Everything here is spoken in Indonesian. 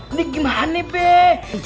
ini gimana nih peh